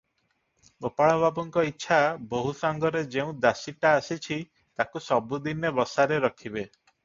ଗୋପାଳବାବୁଙ୍କ ଇଚ୍ଛା, ବୋହୂ ସାଙ୍ଗରେ ଯେଉଁ ଦାସୀଟା ଆସିଛି, ତାକୁ ସବୁଦିନେ ବସାରେ ରଖିବେ ।